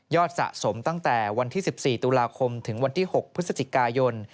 ยอดสะสมตั้งแต่วันที่๑๔ตุลาคมจนกระทั่งถึงวันที่๖พฤศจิกายน